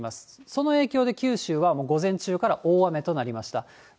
その影響で九州は午前中から大雨となりました。